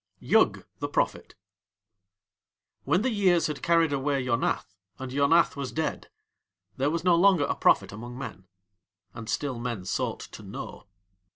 YUG THE PROPHET When the Years had carries away Yonath, and Yonath was dead, there was no longer a prophet among men. And still men sought to know.